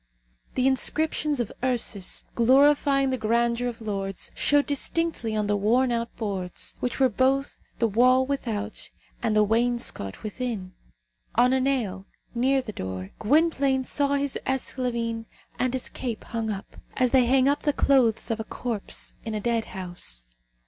The inscriptions of Ursus, gloryifying the grandeur of Lords, showed distinctly on the worn out boards, which were both the wall without and the wainscot within. On a nail, near the door, Gwynplaine saw his esclavine and his cape hung up, as they hang up the clothes of a corpse in a dead house.